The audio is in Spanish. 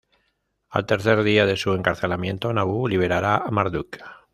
Al tercer día de su encarcelamiento Nabu liberará a Marduk.